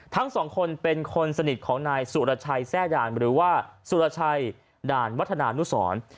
ทั้งสองคนเป็นคนสนิทของนายสุรชัยแทร่ด่านหรือว่าสุรชัยด่านวัฒนานุสร